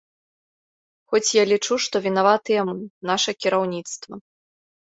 Хоць я лічу, што вінаватыя мы, наша кіраўніцтва.